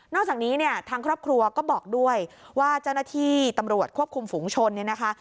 จากนี้เนี่ยทางครอบครัวก็บอกด้วยว่าเจ้าหน้าที่ตำรวจควบคุมฝุงชนเนี่ยนะคะ